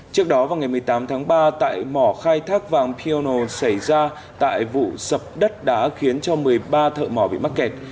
trước đó vào ngày một mươi tám tháng ba tại mỏ khai thác vàng pional xảy ra tại vụ sập đất đá khiến cho một mươi ba thợ mỏ bị mắc kẹt